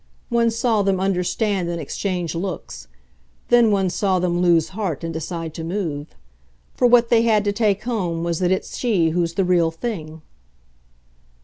One saw them understand and exchange looks, then one saw them lose heart and decide to move. For what they had to take home was that it's she who's the real thing."